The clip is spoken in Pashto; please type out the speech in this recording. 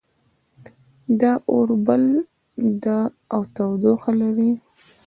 دا اور بل ده او تودوخه لري